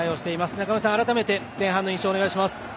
中村さん、改めて前半の印象をお願いします。